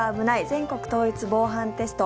全国統一防犯テスト」